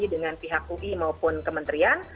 dengan pihak ui maupun kementerian